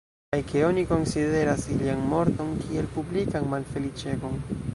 Kaj ke oni konsideras ilian morton kiel publikan malfeliĉegon.